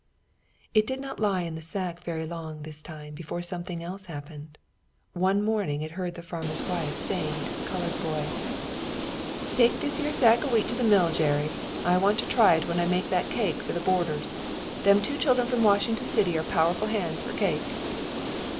It did not lie in the sack very long this time before something else happened. One morning it heard the farmer's wife saying to the coloured boy: "Take this yere sack of wheat to the mill, Jerry. I want to try it when I make that thar cake for the boarders. Them two children from Washington city are powerful hands for cake."